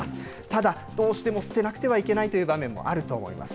ただ、どうしても捨てなくてはいけないという場面もあると思います。